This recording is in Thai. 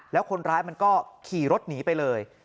แล้วคนร้ายมันก็ขี่รถหนีไปเลย